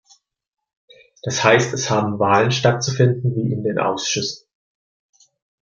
Das heißt, es haben Wahlen stattzufinden wie in den Ausschüssen.